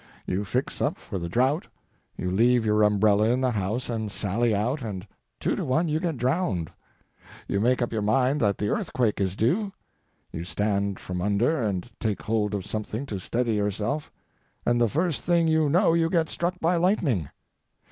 You fix up for the drought; you leave your umbrella in the house and sally out, and two to one you get drowned. You make up your mind that the earthquake is due; you stand from under, and take hold of something to steady yourself, and the first thing you know you get struck by lightning.